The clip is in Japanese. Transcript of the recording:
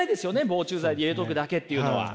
防虫剤入れとくだけっていうのは。